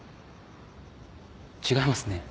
違いますね。